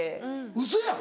ウソやん。